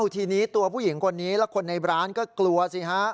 ทีนี้ตัวผู้หญิงคนนี้และคนในร้านก็กลัวสิฮะ